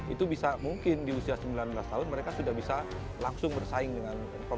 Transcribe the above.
itu bisa mungkin di usia sembilan belas tahun mereka sudah bisa langsung bersaing dengan pemain pemain di luar negeri